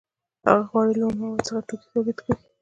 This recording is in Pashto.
هغه غواړي له اومو موادو څخه توکي تولید کړي